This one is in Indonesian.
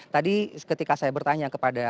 jadi tadi ketika saya bertanya kepada